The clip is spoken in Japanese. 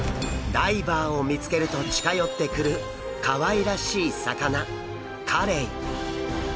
ダイバーを見つけると近寄ってくるかわいらしい魚カレイ。